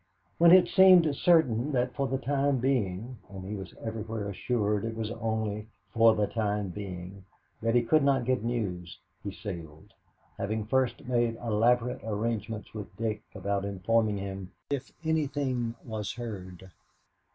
When it seemed certain that for the time being and he was everywhere assured it was only for "the time being" that he could not get news, he sailed, having first made elaborate arrangements with Dick about informing him if anything was heard.